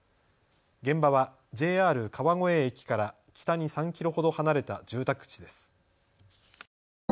現場はＪＲ川越駅から北に３キロほど離れた住宅地です。